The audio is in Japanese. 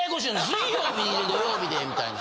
水曜日で土曜日でみたいな。